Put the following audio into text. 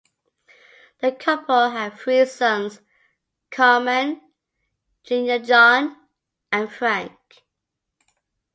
The couple had three sons: Carmine, Junior John, and Frank.